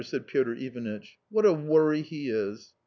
" said Piotr Ivanitch ;" what a worry he is